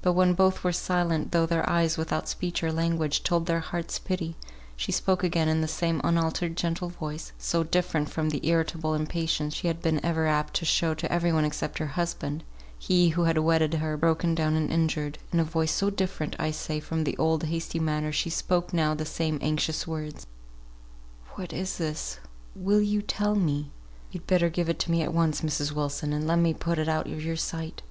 But when both were silent, though their eyes, without speech or language, told their hearts' pity, she spoke again in the same unaltered gentle voice (so different from the irritable impatience she had been ever apt to show to every one except her husband, he who had wedded her, broken down and injured) in a voice so different, I say, from the old, hasty manner, she spoke now the same anxious words, "What is this? Will you tell me?" "Yo'd better give it me at once, Mrs. Wilson, and let me put it out of your sight.